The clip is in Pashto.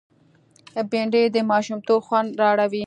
بېنډۍ د ماشومتوب خوند راوړي